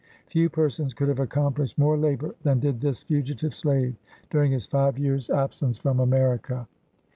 Few persons could have accomplished more labor than did this fugitive slave during his five years' ab sence from America.